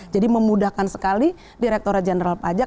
jadi memudahkan sekali direkturat jenderal pajak